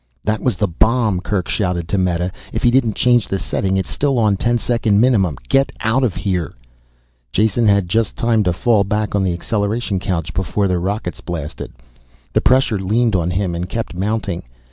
"That was the bomb!" Kerk shouted to Meta. "If he didn't change the setting, it's still on ten second minimum. Get out of here!" Jason had just time to fall back on the acceleration couch before the rockets blasted. The pressure leaned on him and kept mounting.